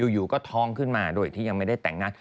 อยู่ก็ท้องขึ้นมาโดยที่ยังไม่ได้แต่งหน้า